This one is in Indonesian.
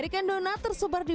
kenapa masih ada